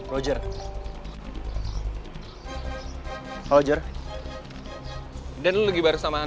nah lalu teman l gegam nih